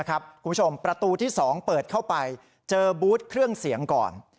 คุณผู้ชมประตูที่๒เปิดเข้าไปเจอบูธเครื่องเสียงก่อน